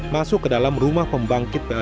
masuk ke dalam rumah pembangkit pln